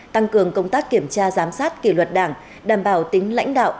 tăng cường công tác kiểm tra giám sát kỷ luật đảng đảm bảo tính lãnh đạo